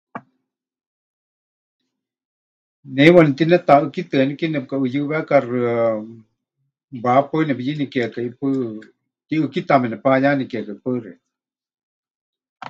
Ne heiwa netinetaʼɨ́kitɨanike nepɨkaʼuyɨwekaxɨa, wahepaɨ nepɨyɨnikekai ʼipaɨ, tiʼɨ́kitaame nepayanikekai. Paɨ xeikɨ́a.